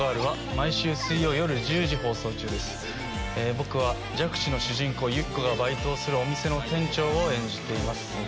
僕は弱視の主人公ユキコがバイトをするお店の店長を演じています。